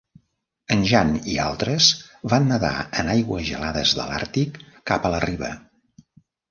En Jan i altres van nedar en aigües gelades de l'Àrtic cap a la riba.